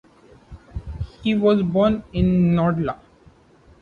He was born in Ndola.